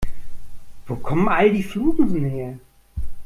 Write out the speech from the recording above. Wo kommen all die Flusen her?